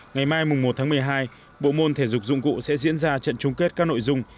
ngày mai một tháng một mươi hai bộ môn thể dục dụng cụ sẽ diễn ra trận chung kết các nội dung